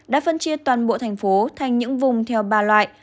đã phân chia toàn bộ thành phố thành những vùng theo ba loại